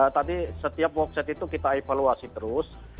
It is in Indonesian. tadi setiap wakset itu kita evaluasi terus